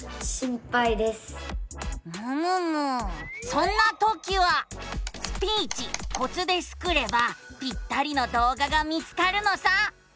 そんなときは「スピーチコツ」でスクればぴったりの動画が見つかるのさ。